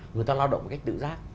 người ta lao động cách tự giác